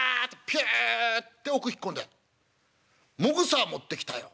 ピュって奥引っ込んでもぐさ持ってきたよ。